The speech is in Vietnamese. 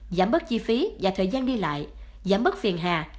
giảm bớt chi phí và thời gian đi lại giảm bớt phiền hà